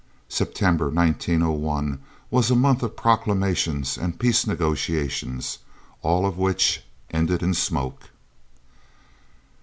September 1901 was a month of proclamations and peace negotiations, all of which "ended in smoke."